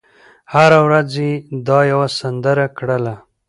هره ورځ یې دا یوه سندره کړله